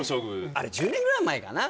あれ１０年ぐらい前かな？